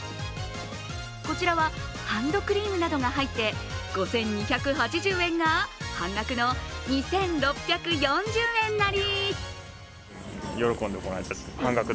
こちらはハンドクリームなどが入って５２８０円が半額の２６４０円なり。